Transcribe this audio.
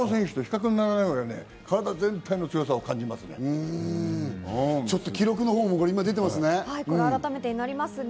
他の選手と比較にならないぐらい、体全体の強さを感じますね。